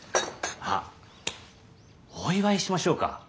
あっお祝いしましょうか。